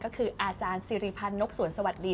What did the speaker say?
ก็คืออาจารย์สิริพันธ์นกสวนสวัสดี